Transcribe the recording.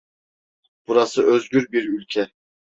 Burası özgür bir ülke.